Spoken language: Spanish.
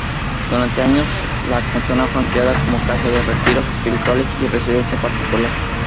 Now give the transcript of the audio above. Durante años la casona fue empleada como casa de retiros espirituales y residencia particular.